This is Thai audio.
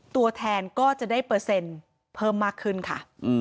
ตัวแทนก็จะได้เปอร์เซ็นต์เพิ่มมากขึ้นค่ะ